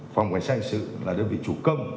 phòng cảnh sát hình sự là đơn vị chủ công